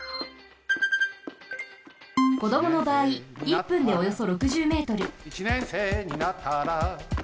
こどものばあい１分でおよそ６０ｍ。